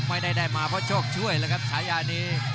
ไม่ได้ได้มาเพราะโชคช่วยเลยครับฉายานี้